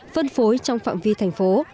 phân phối trong phạm vi thành phố